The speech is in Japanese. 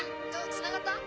つながった？